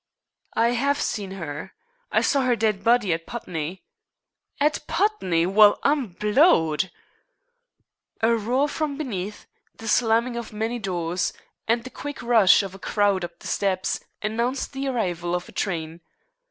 "I have seen her. I saw her dead body at Putney." "At Putney! Well, I'm blowed!" A roar from beneath, the slamming of many doors, and the quick rush of a crowd up the steps, announced the arrival of a train.